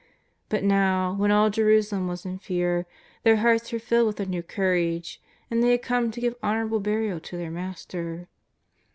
But now, when all Jerusalem was in fear, their hearts were filled with a new courage, and they had come to give honourable burial to their Master.